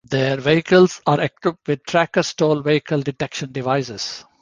Their vehicles are equipped with Tracker stolen vehicle detection devices.